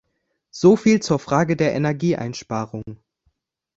So viel zur Frage der Energieeinsparung.